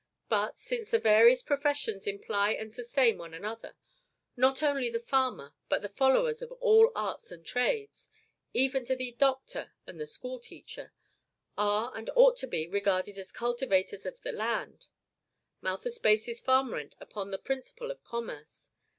But, since the various professions imply and sustain one another, not only the farmer, but the followers of all arts and trades even to the doctor and the school teacher are, and ought to be, regarded as CULTIVATORS OF THE LAND. Malthus bases farm rent upon the principle of commerce.